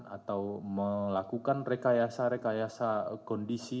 atau melakukan rekayasa rekayasa kondisi